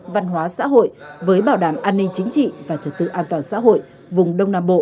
văn hóa xã hội với bảo đảm an ninh chính trị và trật tự an toàn xã hội vùng đông nam bộ